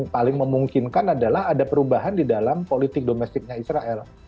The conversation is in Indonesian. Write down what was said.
paling memungkinkan adalah ada perubahan di dalam politik domestiknya israel